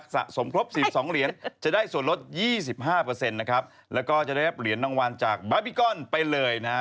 สะสมครบ๑๒เหรียญจะได้ส่วนลด๒๕นะครับแล้วก็จะได้รับเหรียญรางวัลจากบาร์บีกอนไปเลยนะฮะ